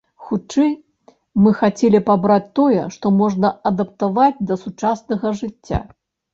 Хутчэй, мы хацелі б абраць тое, што можна адаптаваць да сучаснага жыцця.